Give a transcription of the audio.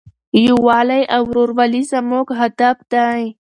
یووالی او ورورولي زموږ هدف دی.